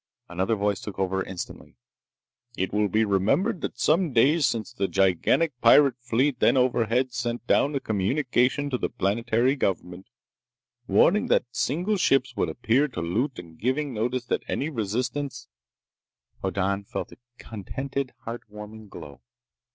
Another voice took over instantly. "It will be remembered that some days since the gigantic pirate fleet then overhead sent down a communication to the planetary government, warning that single ships would appear to loot and giving notice that any resistance—" Hoddan felt a contented, heart warming glow.